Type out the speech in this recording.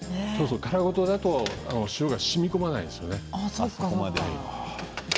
殻ごとだと、塩がしみこまないんですね。